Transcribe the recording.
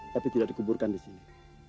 tapi tidak dikuburkan disini